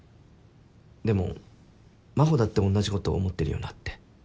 でも真帆だっておんなじこと思ってるよなって。